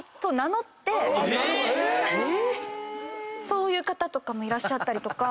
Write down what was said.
そういう方とかもいらっしゃったりとか。